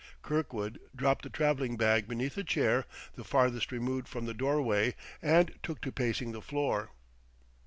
Kirkwood dropped the traveling bag beneath a chair the farthest removed from the doorway, and took to pacing the floor.